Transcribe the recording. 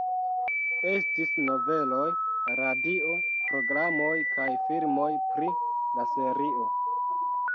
Estis noveloj, radio programoj kaj filmoj pri la serio.